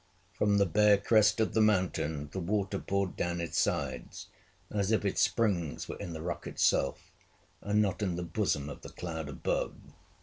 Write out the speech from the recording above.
From the bare crest of the mountain the water poured down its sides, as if its springs were in the rock itself, and not in the bosom of the cloud above.